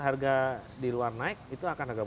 harga di luar naik itu akan agak